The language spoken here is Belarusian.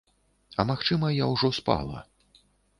А магчыма, я ўжо спала.